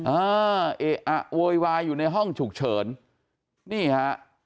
เออเอะอะโวยวายอยู่ในห้องฉุกเฉินนี่ฮะ